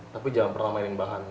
tapi jangan pernah mainin bahan